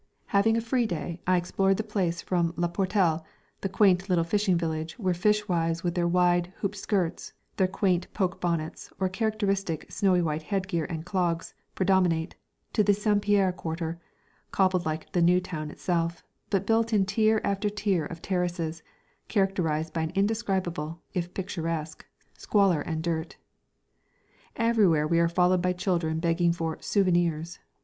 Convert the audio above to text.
Having a free day, I explored the place from Le Portel, the quaint little fishing village where fishwives, with their wide, hooped skirts, their quaint poke bonnets or characteristic snowy white headgear and clogs, predominate, to the St. Pierre quarter, cobbled like the new town itself, but built in tier after tier of terraces, characterised by an indescribable, if picturesque, squalor and dirt. Everywhere we are followed by children begging for "souvenirs."